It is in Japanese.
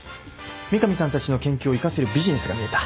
三上さんたちの研究を生かせるビジネスが見えた。